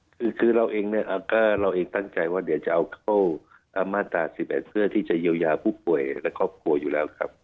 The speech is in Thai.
คือเราเองเนี่ยก็เราเองตั้งใจว่าเดี๋ยวจะเอาเข้ามาตรา๑๑เพื่อที่จะเยียวยาผู้ป่วยและครอบครัวอยู่แล้วครับ